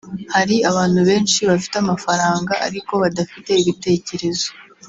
Hari abantu benshi bafite amafaranga ariko badafite ibitekerezo